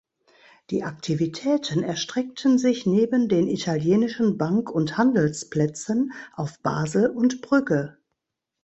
Die Aktivitäten erstreckten sich neben den italienischen Bank- und Handelsplätzen auf Basel und Brügge.